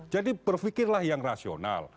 jadi berfikirlah yang rasional